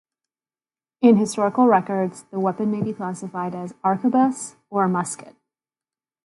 In historical records the weapon may be classified as arquebus or musket.